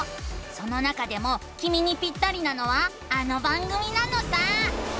その中でもきみにピッタリなのはあの番組なのさ！